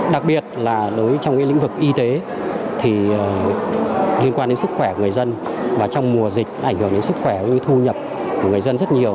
đặc biệt là trong lĩnh vực y tế thì liên quan đến sức khỏe của người dân và trong mùa dịch ảnh hưởng đến sức khỏe thu nhập của người dân rất nhiều